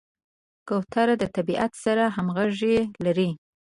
کوترې د طبیعت سره همغږي لري.